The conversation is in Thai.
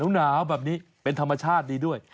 หนาวแบบนี้เป็นธรรมชาติดีด้วย